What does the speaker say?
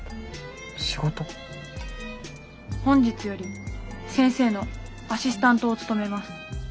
本日より先生のアシスタントを務めます。